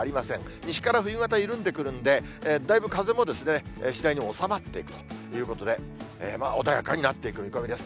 西から冬型、緩んでくるんで、だいぶ風も次第に収まっていくということで、穏やかになっていく見込みです。